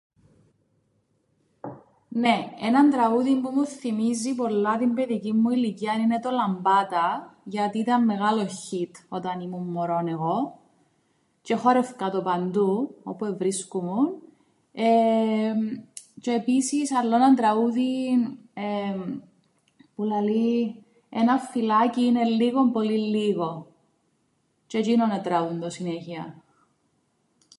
"Νναι, έναν τραγούδιν που μου θθυμίζει πολλά την παιδικήν μου ηλικίαν είναι το λαμπάτα, γιατί ήταν μεγάλο χιτ όταν ήμουν μωρόν εγώ τζ̆αι εχόρευκα το παντού, όπου εβρίσκουμουν, εεεμ τζ̆αι επίσης αλλό 'ναν τραούδιν εεεμ που λαλεί ""έναν φιλάκιν είναι λλίγον πολύ λλίγον"" τζ̆αι τζ̆είνον ετραγούδουν το συνέχειαν."